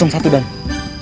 jangan lupa coba